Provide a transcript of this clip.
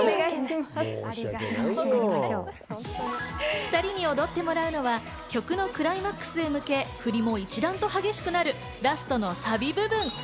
２人に踊ってもらうのは曲のクライマックスへ向け振りも一段と激しくなるラストのサビ部分。